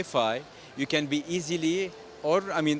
karena anda tahu dengan wi fi anda bisa dengan mudah